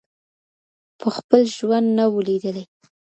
په خپل ژوند نه وو لیدلی